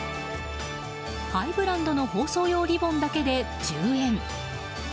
ハイブランドの包装用リボンだけで１０円。